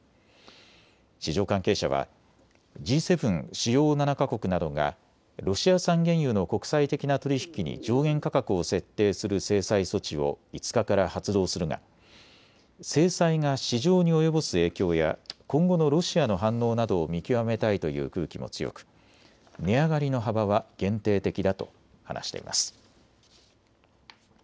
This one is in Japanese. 市場関係者はＧ７・主要７か国などがロシア産原油の国際的な取り引きに上限価格を設定する制裁措置を５日から発動するが制裁が市場に及ぼす影響や今後のロシアの反応などを見極めたいという空気も強く値上がりの幅は限定的だと話しています。